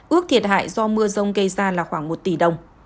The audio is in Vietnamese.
ước thiệt hại do mưa rông gây ra là khoảng một tỷ đồng